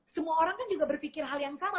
semua orang kan juga berpikir hal yang sama